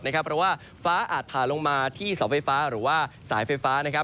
เพราะว่าฟ้าอาจผ่าลงมาที่เสาไฟฟ้าหรือว่าสายไฟฟ้า